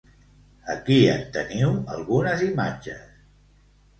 Aquí en teniu algunes imatges.